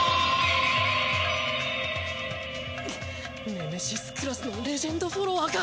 ネメシスクラスのレジェンドフォロワーか。